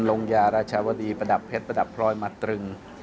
ลงยาราชาวดีประดับเพชรประดับพลอยมาตรึง